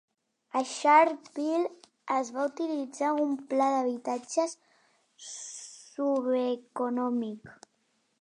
A Sharpeville es va utilitzar un pla d'habitatges subeconòmic.